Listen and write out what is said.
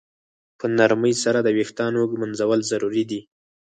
په نرمۍ سره د ویښتانو ږمنځول ضروري دي.